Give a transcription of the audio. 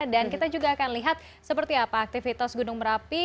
dan kita juga akan lihat seperti apa aktivitas gunung merapi